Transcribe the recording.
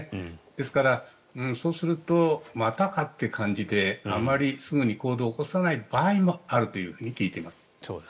ですから、そうするとまたかという感じであまりすぐに行動を起こさない場合もあると聞いています。